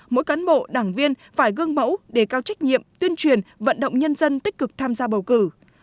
mỗi cán bộ đảng viên phải gương mẫu để cao trách nhiệm tuyên truyền vận động nhân dân tích cực tham gia bầu cử